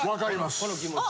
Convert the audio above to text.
この気持ち。